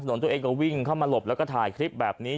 ตัวเองก็วิ่งเข้ามาหลบแล้วก็ถ่ายคลิปแบบนี้